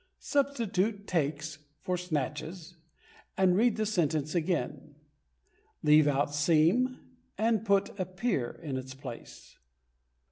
Substitute "takes" for "snatches" and read the sentence again. Leave out "seem" and put "appear" in its place.